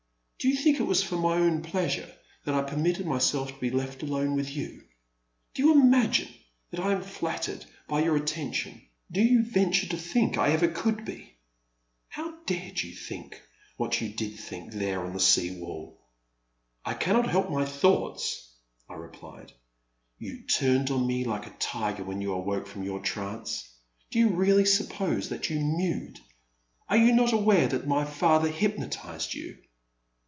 Do you think it was for my own pleasure that I permitted myself to be left alone with you ? Do you imagine that I am flattered by your attention — do you venture to think I ever could be ? How dared you think what you did think there on the sea wall ?*'I cannot help my thoughts !I replied. '* You turned on me like a tiger when you awoke from your trance. Do you really suppose that you mewed ? Are you not aware that my father hypnotized you